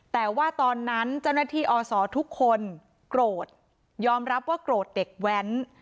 แต่ว่าตอนนั้นเจ้าหน้าที่อศทุกคนโกรธยอมรับว่าโกรธเด็กแว้น